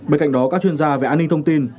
bên cạnh đó các chuyên gia về an ninh thông tin